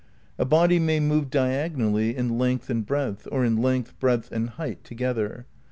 (A body may move diagonally in length and breadth, or in length, breadth and height together.)